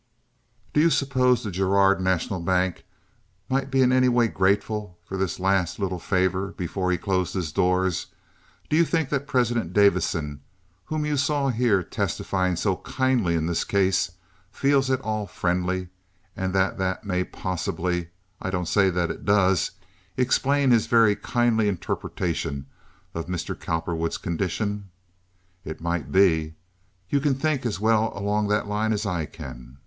Do you suppose the Girard National Bank might be in any way grateful for this last little favor before he closed his doors? Do you think that President Davison, whom you saw here testifying so kindly in this case feels at all friendly, and that that may possibly—I don't say that it does—explain his very kindly interpretation of Mr. Cowperwood's condition? It might be. You can think as well along that line as I can.